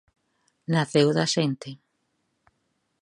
Naceu da xente.